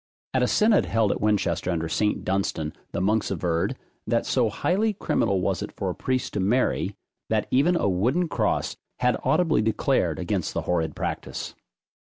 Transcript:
At a synod held at Winchester under St. Dunstan, the monks averred, that so highly criminal was it for a priest to marry, that even a wooden cross had audibly declared against the horrid practice.